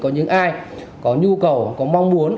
có những ai có nhu cầu có mong muốn